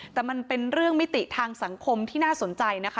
แต่มันเป็นเรื่องมิติทางสังคมที่น่าสนใจนะคะ